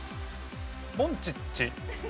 モンチッチ。